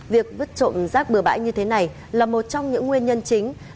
việc vứt trộm rác bừa bãi như thế này là một trong những nguyên nhân chính